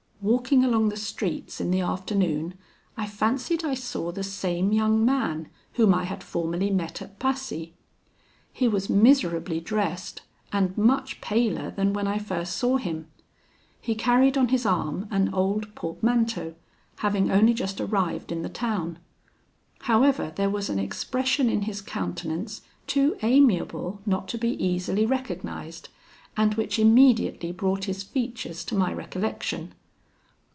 Walking along the streets in the afternoon, I fancied I saw the same young man whom I had formerly met at Passy. He was miserably dressed, and much paler than when I first saw him. He carried on his arm an old portmanteau, having only just arrived in the town. However, there was an expression in his countenance too amiable not to be easily recognised, and which immediately brought his features to my recollection.